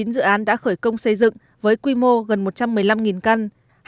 một trăm hai mươi chín dự án đã khởi công xây dựng với quy mô gần một trăm một mươi năm căn